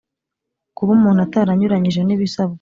kuba umuntu ataranyuranyije n ibisabwa